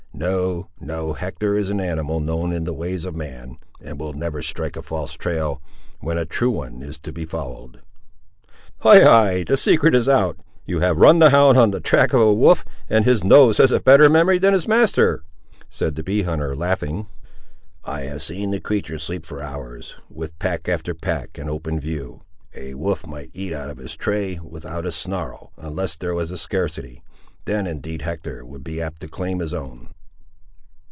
—No—no, Hector is an animal known in the ways of man, and will never strike a false trail when a true one is to be followed!" "Ay, ay, the secret is out! you have run the hound on the track of a wolf, and his nose has a better memory than his master!" said the bee hunter, laughing. "I have seen the creatur' sleep for hours, with pack after pack, in open view. A wolf might eat out of his tray without a snarl, unless there was a scarcity; then, indeed, Hector would be apt to claim his own."